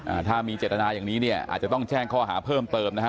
อ่าถ้ามีเจตนาอย่างนี้เนี่ยอาจจะต้องแจ้งข้อหาเพิ่มเติมนะฮะ